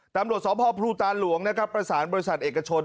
ตำรวจสอบพพตานหลวงประสานบริษัทเอกชน